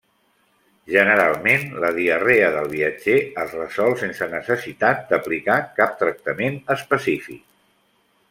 Generalment, la diarrea del viatger es resol sense necessitat d'aplicar cap tractament específic.